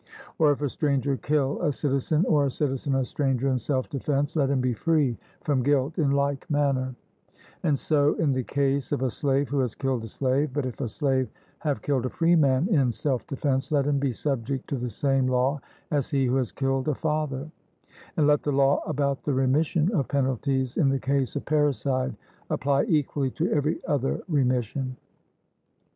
Or if a stranger kill a citizen or a citizen a stranger in self defence, let him be free from guilt in like manner; and so in the case of a slave who has killed a slave; but if a slave have killed a freeman in self defence, let him be subject to the same law as he who has killed a father; and let the law about the remission of penalties in the case of parricide apply equally to every other remission.